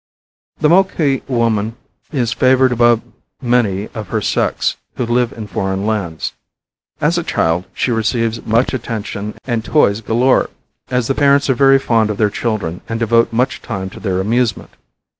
The Moqui woman is favored above many of her sex who live in foreign lands. As a child she receives much attention and toys galore, as the parents are very fond of their children and devote much time to their amusement.